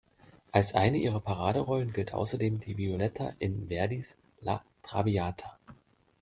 Als eine ihrer Paraderollen gilt außerdem die Violetta in Verdis "La traviata".